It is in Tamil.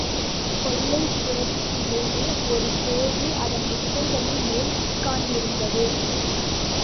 கொல்லைப் புறத்திலே ஒரு கோழி அதன் முட்டைகளின் மேல் உட்கார்ந்திருந்தது.